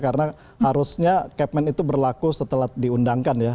karena harusnya capman itu berlaku setelah diundangkan ya